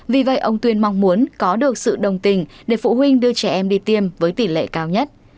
vì vậy ông tuyên mong muốn có được sự đồng tình để phụ huynh đưa trẻ em đi tiêm với tỷ lệ cao nhất